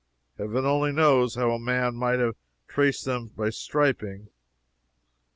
Heaven only knows how far a man might trace them by "stripping."